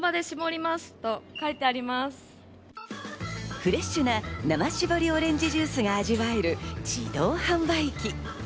フレッシュな生絞りオレンジジュースが味わえる自動販売機。